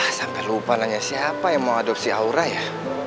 ah sampai lupa nanya siapa yang mengadopsi aura ya